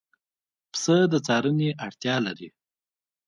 پسه د څارنې اړتیا لري.